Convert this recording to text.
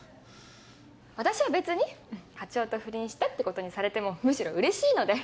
私は別に課長と不倫したってことにされてもむしろうれしいので。